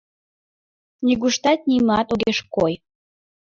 Нигуштат нимат огеш кой.